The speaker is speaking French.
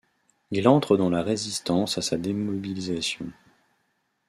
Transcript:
Il entre dans la Résistance à sa démobilisation.